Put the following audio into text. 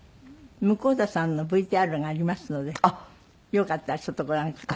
向田さんのＶＴＲがありますのでよかったらちょっとご覧ください。